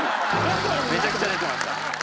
めちゃくちゃ出てました。